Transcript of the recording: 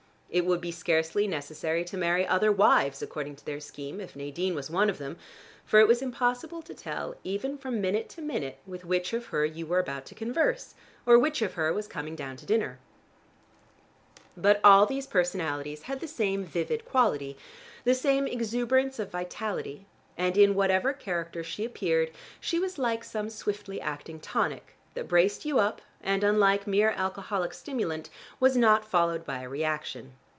It would be scarcely necessary to marry other wives, according to their scheme, if Nadine was one of them, for it was impossible to tell even from minute to minute with which of her you were about to converse, or which of her was coming down to dinner. But all these personalities had the same vivid quality, the same exuberance of vitality, and in whatever character she appeared she was like some swiftly acting tonic, that braced you up and, unlike mere alcoholic stimulant, was not followed by a reaction.